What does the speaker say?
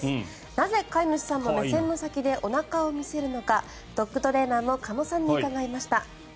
なぜ、飼い主さんの目線の先でおなかを見せるのかドッグトレーナーの鹿野さんに伺いました。